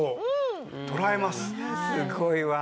すごいわ。